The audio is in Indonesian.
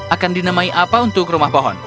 akan dinamai apa untuk rumah pohon